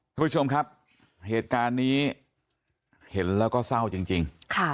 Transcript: ทุกผู้ชมครับเหตุการณ์นี้เห็นแล้วก็เศร้าจริง